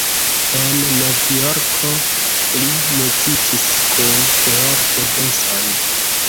En Novjorko li muzikis kun George Benson.